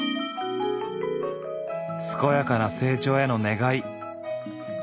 健やかな成長への願い。